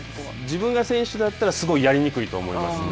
自分が選手だったら、すごいやりにくいと思いますね。